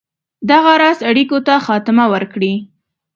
دغه راز اړېکو ته خاتمه ورکړي.